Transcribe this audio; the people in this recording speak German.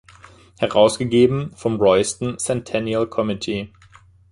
Herausgegeben vom Royston Centennial Committee.